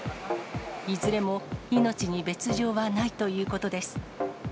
いずれも命に別状はないということです。